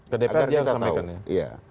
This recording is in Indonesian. ke dpr dia sampaikan ya